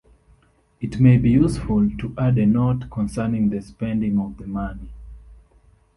It may be useful to add a note concerning the spending of the money.